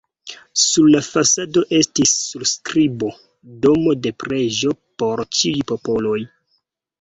Sur la fasado estis surskribo: "Domo de preĝo por ĉiuj popoloj".